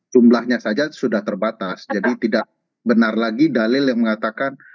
jumlahnya saja sudah terbatas jadi tidak benar lagi dalil yang mengatakan